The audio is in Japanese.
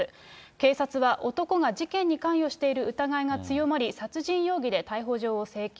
警察は、男が事件に関与している疑いが強まり、殺人容疑で逮捕状を請求。